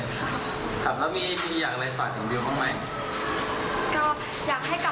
ก็อยากให้กลับมาเรียนเร็วกับเราค่ะควรคิดถึงบิวมากค่ะ